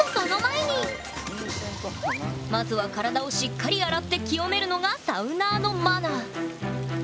まずは体をしっかり洗って清めるのが「サウナー」のマナー！